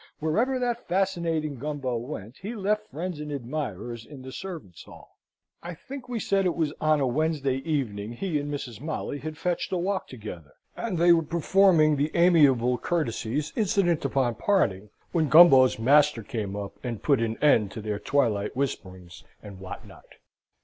Wherever that fascinating Gumbo went, he left friends and admirers in the servants' hall. I think we said it was on a Wednesday evening he and Mrs. Molly had fetched a walk together, and they were performing the amiable courtesies incident upon parting, when Gumbo's master came up, and put an end to their twilight whisperings and what not.